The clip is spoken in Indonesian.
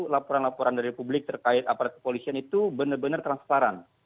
laporan laporan dari publik terkait aparat kepolisian itu benar benar transparan